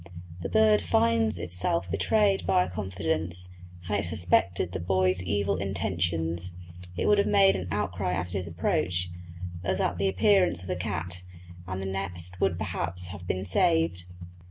The bird finds itself betrayed by its confidence; had it suspected the boy's evil intentions it would have made an outcry at his approach, as at the appearance of a cat, and the nest would perhaps have been saved.